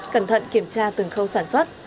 cẩn thận kiểm tra từng khâu sản xuất